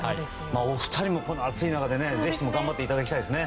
お二人もこの暑い中でぜひとも頑張っていただきたいですね。